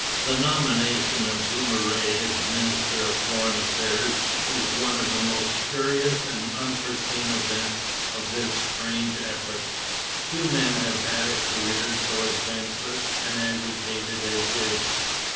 The nomination of Dumouriez as Minister of Foreign Affairs is one of the most curious and unforeseen events of this strange epoch. Few men have had a career so adventurous and agitated as his.